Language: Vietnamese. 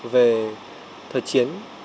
về thời chiến